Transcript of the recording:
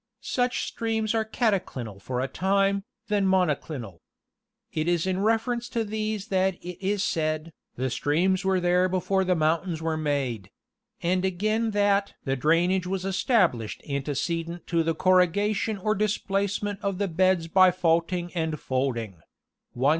Such streams are cataclinal for a time, then monoclinal. It is in refer ence to these that it is said, "the streams were there before the mountains were made;" and again that "the dramage was estab lished antecedent to the corrugation or displacement of the beds by faulting and folding" (163).